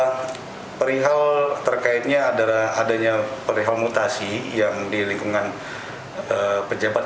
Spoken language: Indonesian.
ya perihal terkaitnya adalah adanya perihal mutasi yang di lingkungan pejabat